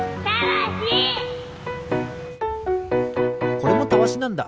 これもたわしなんだ。